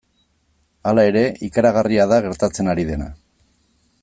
Hala ere, ikaragarria da gertatzen ari dena.